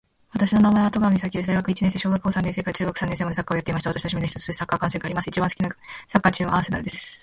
私の名前は登川岬です。大学一年生です。小学三年生から中学三年生までサッカーをやっていました。私の趣味の一つとしてサッカー観戦があります。一番好きなサッカーチームは、アーセナルです。